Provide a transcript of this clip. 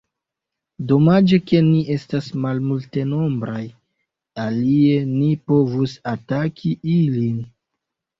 Domaĝe, ke ni estas malmultenombraj, alie ni povus ataki ilin!